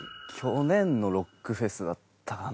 去年のロックフェスだったかな？